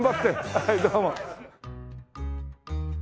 はいどうも。